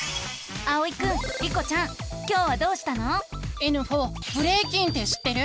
えぬふぉブレイキンって知ってる？